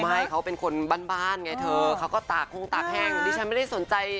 ไม่เขาเป็นคนบ้านเขาก็ตากแห้งดิฉันไม่ได้สนใจ